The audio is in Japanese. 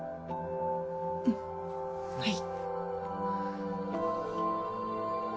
うんはい。